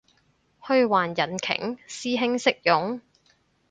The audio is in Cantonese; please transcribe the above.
虛幻引擎？師兄識用？